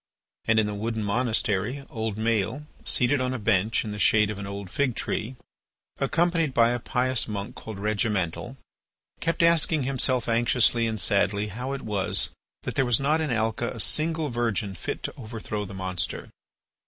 And in the wooden monastery old Maël, seated on a bench in the shade of an old fig tree, accompanied by a pious monk called Regimental, kept asking himself anxiously and sadly how it was that there was not in Alca a single virgin fit to overthrow the monster.